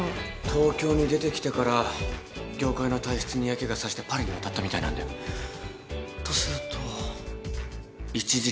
東京に出てきてから業界の体質に嫌気が差してパリに渡ったみたいなんだよ。とすると一時帰国して行くなら。